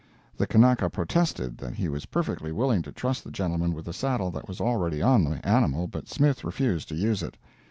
The Kanaka protested that he was perfectly willing to trust the gentleman with the saddle that was already on the animal, but Smith refused to use it.